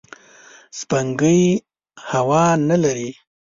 سپوږمۍ هوا نه لري